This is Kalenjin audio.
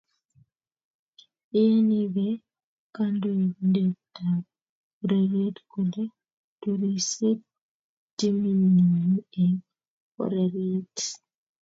iyanigei kandoindetab ureriet kole turisie timitnyin eng' ureriet